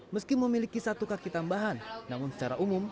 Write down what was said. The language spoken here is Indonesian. meski memiliki satu kaki tambahan namun secara umum